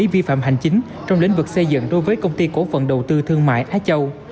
vi phạm hành chính trong lĩnh vực xây dựng đối với công ty cổ phần đầu tư thương mại thái châu